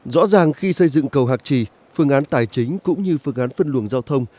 rõ ràng khi xây dựng cầu hạc trì phương án tài chính cũng như phương án phân luồng giao thông